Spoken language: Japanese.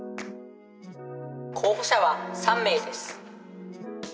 候補者は３名です。